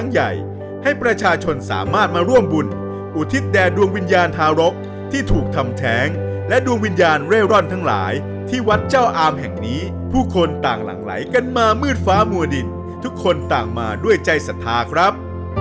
หร่อยทั้งหลายที่วัดเจ้าอาร์มแห่งนี้ผู้คนต่างหลังไหลกันมามืดฟ้ามัวดินทุกคนต่างมาด้วยใจศรัทธาครับ